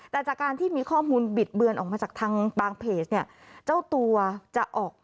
แต่จากการที่มีข้อมูลบิดเบญออกมาจากทางบางเพจ